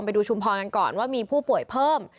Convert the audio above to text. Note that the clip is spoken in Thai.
ชุมพรกันก่อนว่ามีผู้ป่วยเพิ่ม